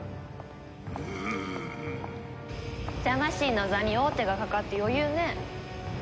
ジャマ神の座に王手がかかって余裕ね。